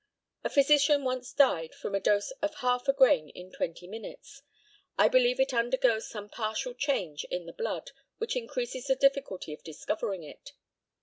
A physician once died from a dose of half a grain in twenty minutes. I believe it undergoes some partial change in the blood, which increases the difficulty of discovering it.